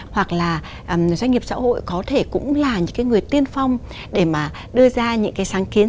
hoặc là doanh nghiệp xã hội có thể cũng là những cái người tiên phong để mà đưa ra những cái sáng kiến